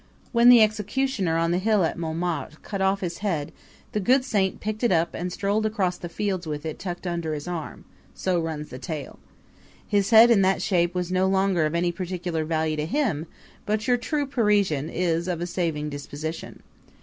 When the executioner on the hill at Montmartre cut off his head the good saint picked it up and strolled across the fields with it tucked under his arm so runs the tale. His head, in that shape, was no longer of any particular value to him, but your true Parisian is of a saving disposition.